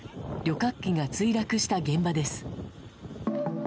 旅客機が墜落した現場です。